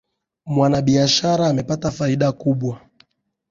Mwanabiashara amepata faida kubwa